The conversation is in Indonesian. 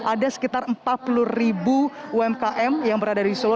ada sekitar empat puluh ribu umkm yang berada di solo